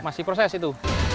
masih proses itu